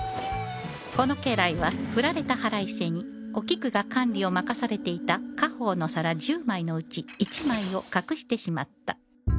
この家来は振られた腹いせにお菊が管理を任されていた家宝の皿１０枚のうち１枚を隠してしまった